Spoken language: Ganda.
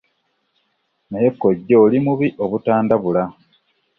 Naye kkojja oli mubi obutandabula!